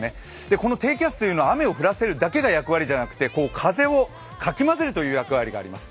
この低気圧というのは雨を降らせるだけが役割じゃなくて風をかき混ぜるという役割があります。